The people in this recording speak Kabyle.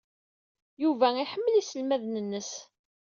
Yuba iḥemmel iselmaden-nnes.